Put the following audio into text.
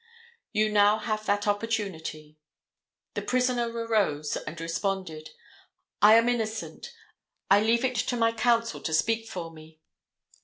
You now have that opportunity. The prisoner arose and responded: "I am innocent. I leave it to my counsel to speak for me."